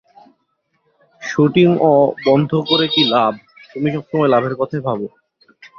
শুটিংয় বন্ধ করে কি লাভ, তুমি সবসময় লাভের কথাই ভাবো।